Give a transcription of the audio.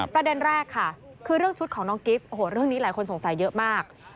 ประเด็นแรกค่ะคือเรื่องชุดของน้องกิฟต์โอ้โหเรื่องนี้หลายคนสงสัยเยอะมาก